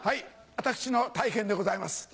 私の大変でございます。